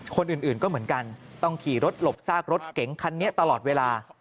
คนอื่นก็เหมือนกันต้องขี่รถหลบซากรถเก๋งคันนี้ตลอดเวลา